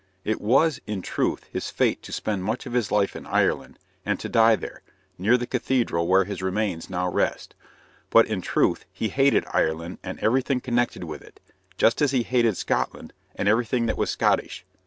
It was, in truth, his fate to spend much of his life in Ireland, and to die there, near the cathedral where his remains now rest; but in truth he hated Ireland and everything connected with it, just as he hated Scotland and everything that was Scottish.